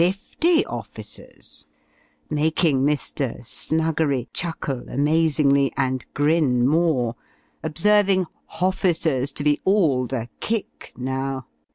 officers, making Mr. "Snuggery" chuckle amazingly, and grin more observing hofficers to be all the "kick" now!